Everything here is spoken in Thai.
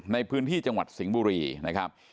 ในพื้นที่จังหวัดสิงห์บุรีนะครับ